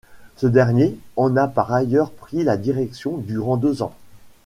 Ce dernier en a par ailleurs pris la direction durant deux ans.